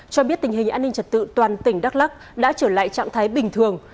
cho biết tình hình an ninh trật tự toàn tỉnh đắk lắc đã trở lại trạng thái bình thường